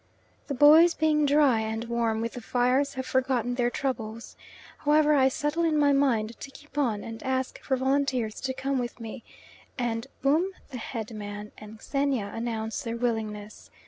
The boys being dry and warm with the fires have forgotten their troubles. However, I settle in my mind to keep on, and ask for volunteers to come with me, and Bum, the head man, and Xenia announce their willingness.